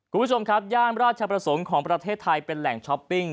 คุณผู้ชมครับย่านราชประสงค์ของประเทศไทยเป็นแหล่งช้อปปิ้ง